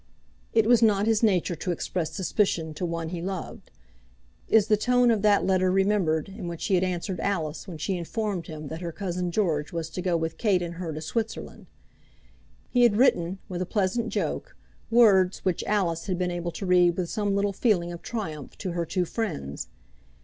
It was not his nature to express suspicion to one he loved. Is the tone of that letter remembered in which he had answered Alice when she informed him that her cousin George was to go with Kate and her to Switzerland? He had written, with a pleasant joke, words which Alice had been able to read with some little feeling of triumph to her two friends.